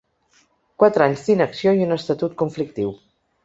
Quatre anys d’inacció i un estatut conflictiu.